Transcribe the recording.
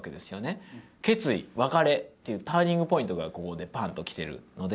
決意別れっていうターニングポイントがここでパンと来てるので。